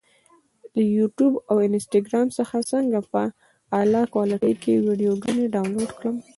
له یوټیوب او انسټاګرام څخه څنګه په اعلی کوالټي کې ویډیوګانې ډاونلوډ کړم؟